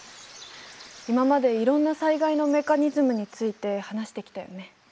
今までいろんな災害のメカニズムについて話してきたよね。